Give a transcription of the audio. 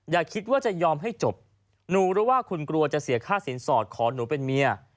อย่าคิดว่าจะยอมให้จบหนูรู้ว่าคุณกลัวจะเสียค่าสินสอดขอหนูเป็นเมีย